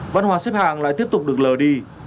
văn hóa xếp hạng lại tiếp tục được lờ đi